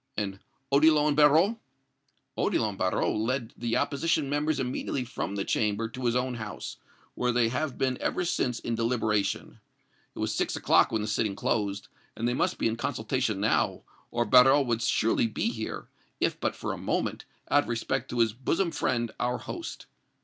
"And Odillon Barrot?" "Odillon Barrot led the opposition members immediately from the Chamber to his own house, where they have been ever since in deliberation. It was six o'clock when the sitting closed, and they must be in consultation now, or Barrot would surely be here, if but for a moment, out of respect to his bosom friend, our host.